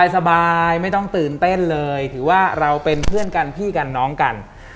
สบายไม่ต้องตื่นเต้นเลยถือว่าเราเป็นเพื่อนกันพี่กันน้องกัน